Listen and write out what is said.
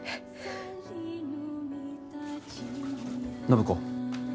暢子。